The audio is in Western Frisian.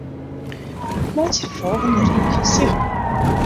Meitsje de folgjende rige sichtber.